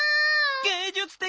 芸術的。